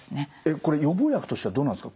これ予防薬としてはどうなんですか